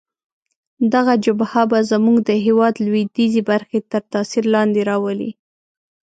دغه جبهه به زموږ د هیواد لویدیځې برخې تر تاثیر لاندې راولي.